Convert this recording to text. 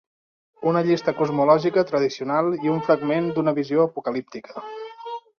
Una llista cosmològica tradicional i un fragment d'una visió apocalíptica.